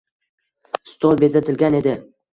Stol bezatilgan edi